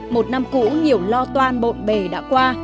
một năm cũ nhiều lo toan bộn bề đã qua